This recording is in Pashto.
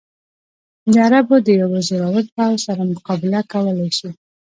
د عربو د یوه زورور پوځ سره مقابله کولای شي.